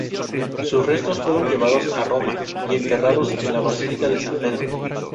Sus restos fueron llevados a Roma y enterrados en la Basílica de San Pedro.